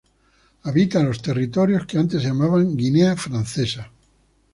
Habita en los territorios que antes se llamaban Guinea Francesa.